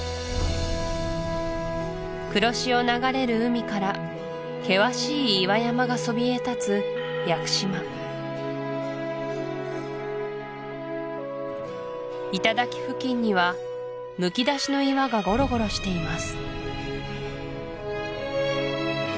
黒潮流れる海から険しい岩山がそびえ立つ屋久島頂付近にはむき出しの岩がゴロゴロしています